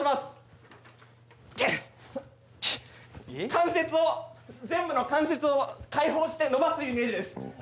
関節を全部の関節を解放して伸ばすイメージです